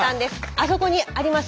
あそこにあります